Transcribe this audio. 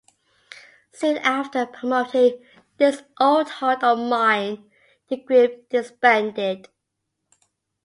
Soon after promoting "This Old Heart of Mine", the group disbanded.